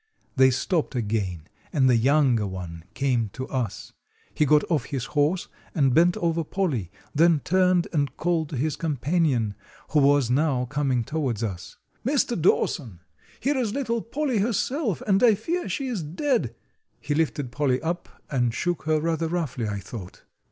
They stopped again, and the younger one came to us. He got off his horse and bent over Polly, then turned and called to his companion, who was now coming toward us: "Mr. Dawson, here is little Polly herself, and I fear she is dead." He lifted Polly up and shook her, rather roughly, I thought.